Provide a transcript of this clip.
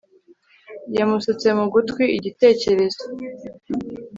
yamusutse mu gutwi, igitekerezo